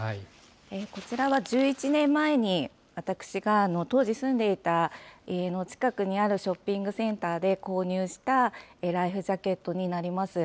こちらは１１年前に私が当時住んでいた家の近くにあるショッピングセンターで購入したライフジャケットになります。